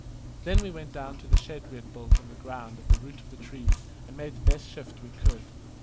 Then we went down to the shed we had built on the ground at the root of the tree, and made the best shift we could.